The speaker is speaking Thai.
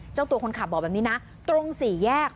เจ้าตัวคนขับบอกแบบนี้นะตรงสี่แยก